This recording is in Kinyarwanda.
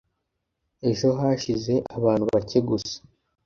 ejo hashize abantu bake gusa